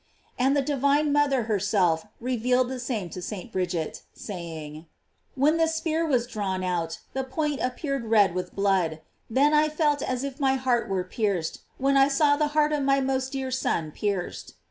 f And the di vine mother herself revealed the same to St. Bridget, saying: ''When the spear was drawn out, the point appeared red with blood; then I felt as if my heart were pierced when I saw the heart of my most dear Son pierced."